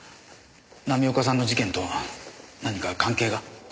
浪岡さんの事件と何か関係が？